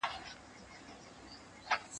په عزت یې وو دربار ته وربللی